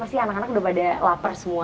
pasti anak anak udah pada lapar semua